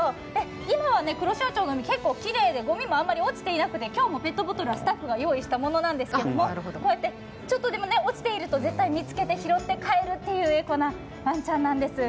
今は黒潮町の海、結構きれいでごみもあんまり落ちていなくて今日のペットボトルはスタッフが用意したものなんですけど、こうやってちょっとでも落ちていると絶対見つけて拾って帰るというエコなワンちゃんなんです。